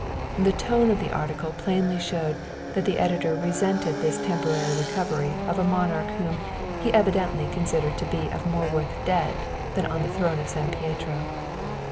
The tone of the article plainly showed that the editor resented this temporary recovery of a monarch whom he evidently considered to be of more worth dead than on the throne of San Pietro.